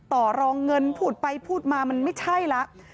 ต่อรองเงินพูดไปพูดมามันไม่ใช่แล้ว